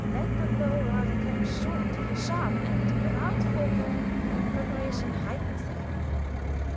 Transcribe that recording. Let the blow rather come short, sharp, and without forewarning; preparation heightens the agony.